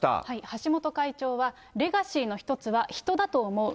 橋本会長は、レガシーの一つは人だと思う。